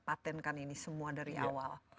patentkan ini semua dari awal